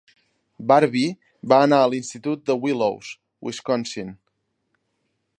Barbie va anar a l'Institut de Willows, Wisconsin.